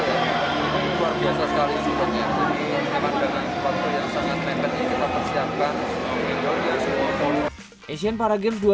jadi dengan kekuatan yang sangat mebet ini kita persiapkan untuk mendorongnya semua